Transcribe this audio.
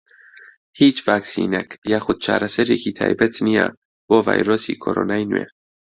هیچ ڤاکسینێک یاخود چارەسەرێکی تایبەت نییە بۆ ڤایرۆسی کۆرۆنای نوێ.